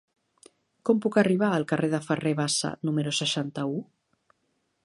Com puc arribar al carrer de Ferrer Bassa número seixanta-u?